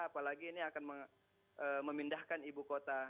apalagi ini akan memindahkan ibu kota